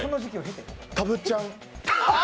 たぶっちゃん。